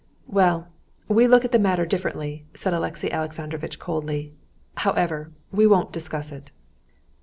"Well, we look at the matter differently," said Alexey Alexandrovitch coldly. "However, we won't discuss it."